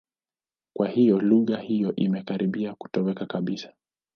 Kwa hiyo lugha hiyo imekaribia kutoweka kabisa.